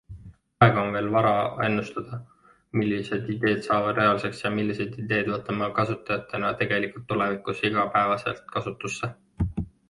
Praegu on veel vara ennustada, millised ideed saavad reaalsuseks ja millised ideed võtame kasutajatena tegelikult tulevikus igapäevaselt kasutusse.